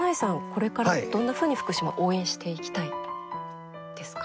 これからどんなふうに福島応援していきたいですか？